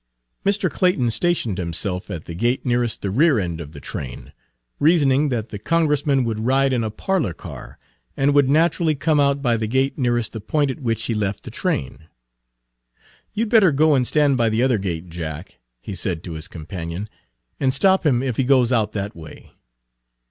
Mr. Clayton stationed himself at the gate nearest the rear end of the train, reasoning that the Congressman would ride in a parlor car, and would naturally come out by the gate nearest the point at which he left the train. Page 115 "You 'd better go and stand by the other gate, Jack," he said to his companion, "and stop him if he goes out that way."